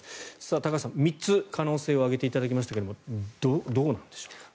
高橋さん、３つ可能性を挙げていただきましたけどどうなんでしょうか。